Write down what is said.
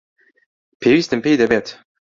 پێویستم پێی دەبێت.